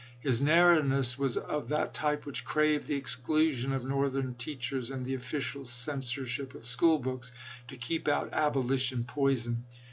His narrowness was of that type which craved the exclusion of Northern teachers and the official cen sorship of school books to keep out "Abolition poison."